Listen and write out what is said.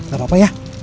gak apa apa ya